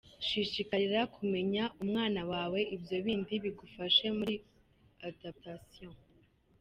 Shishikarira kumenya umwana wawe ibyo bindi bigufashe muri adaptation.